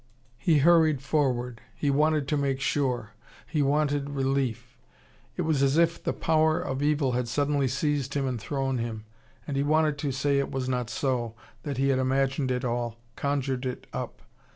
He hurried forward. He wanted to make sure. He wanted relief. It was as if the power of evil had suddenly seized him and thrown him, and he wanted to say it was not so, that he had imagined it all, conjured it up.